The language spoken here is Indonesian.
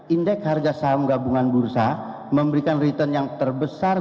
indeks harga saham gabungan bursa memberikan return yang terbesar